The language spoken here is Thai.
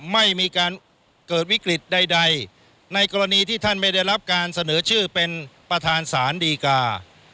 ไม่มีการเกิดวิกฤตใดในกรณีที่ท่านไม่ได้รับการเสนอชื่อเป็นประธานศาลดีกา